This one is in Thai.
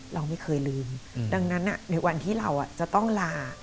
เราไม่เคยลืมดังนั้นในวันที่เราจะต้องลา